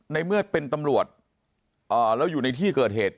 ในเมื่อเป็นตำรวจแล้วอยู่ในที่เกิดเหตุ